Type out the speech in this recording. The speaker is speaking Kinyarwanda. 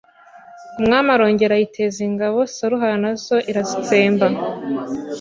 Umwami arongera ayiteza ingabo Saruhara na zo irazitsemba